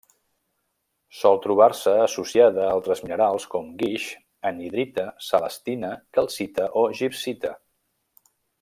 Sol trobar-se associada a altres minerals com: guix, anhidrita, celestina, calcita o gibbsita.